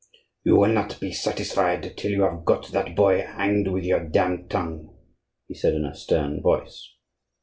"You will not be satisfied till you have got that boy hanged with your damned tongue," he said, in a stern voice.